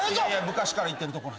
昔から行ってるとこなんで。